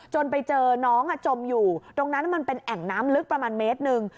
ไปเจอน้องจมอยู่ตรงนั้นมันเป็นแอ่งน้ำลึกประมาณเมตรหนึ่ง